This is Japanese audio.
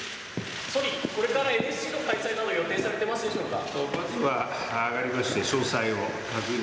総理、これからＮＳＣの開催など予定されていますでしょうか。